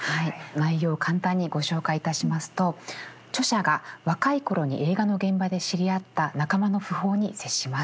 内容簡単にご紹介いたしますと著者が若い頃に映画の現場で知り合った仲間の訃報に接します。